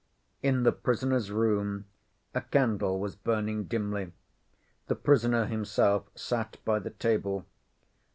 In the prisoner's room a candle was burning dimly. The prisoner himself sat by the table.